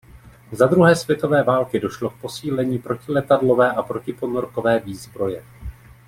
Za druhé světové války došlo k posílení protiletadlové a protiponorkové výzbroje.